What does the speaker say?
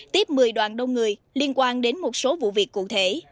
tiếp một mươi đoàn đông người liên quan đến một số vụ việc cụ thể